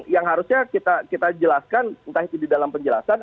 yang harusnya kita jelaskan entah itu di dalam penjelasan